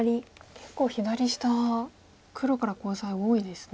結構左下黒からコウ材多いですね。